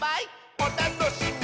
おたのしみ！」